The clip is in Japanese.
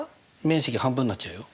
面積半分になっちゃうよ。